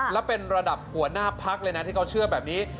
และเป็นระดับหัวหน้าพักเลยนะที่เขาเชื่อแบบนี้